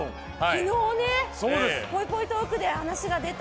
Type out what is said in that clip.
昨日ね、ぽいぽいトークで話が出た。